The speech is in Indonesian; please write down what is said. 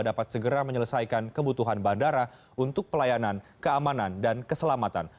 dapat segera menyelesaikan kebutuhan bandara untuk pelayanan keamanan dan keselamatan